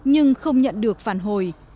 nhưng không nhận được phản hồi